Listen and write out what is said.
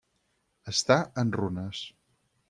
Està en runes.